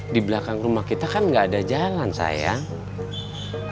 di belakang rumah kita kan nggak ada jalan sayang